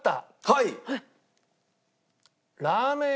はい。